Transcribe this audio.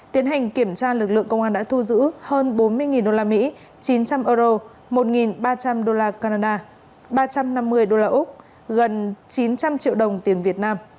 tiến hành kiểm tra lực lượng công an đã thu giữ hơn bốn mươi usd chín trăm linh euro một ba trăm linh đô la canada ba trăm năm mươi usd gần chín trăm linh triệu đồng tiền việt nam